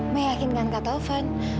meyakinkan kak taufan